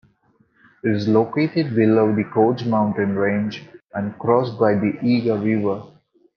It is located below the Codes mountain range and crossed by the Ega river.